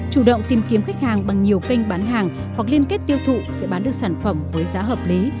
chủ động tìm kiếm khách hàng bằng nhiều kênh bán hàng hoặc liên kết tiêu thụ sẽ bán được sản phẩm với giá hợp lý